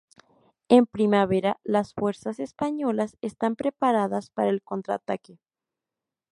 En primavera las fuerzas españolas están preparadas para el contraataque.